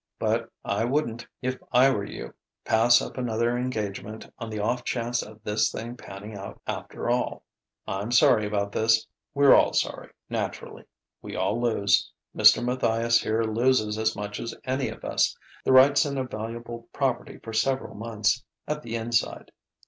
But I wouldn't, if I were you, pass up another engagement on the off chance of this thing panning out after all. "I'm sorry about this we're all sorry, naturally. We all lose. Mr. Matthias here loses as much as any of us the rights in a valuable property for several months, at the inside.